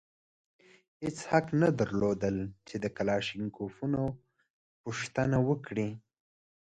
هېچا حق نه درلود چې د کلاشینکوفونو پوښتنه وکړي.